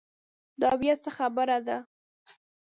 دا بیا څه خبره ده.